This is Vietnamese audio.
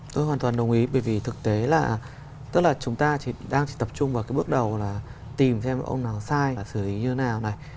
tôi hoàn toàn đồng ý bởi vì thực tế là tức là chúng ta đang chỉ tập trung vào cái bước đầu là tìm xem ông nào sai và xử lý như thế nào này